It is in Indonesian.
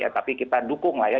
tapi kita dukung ya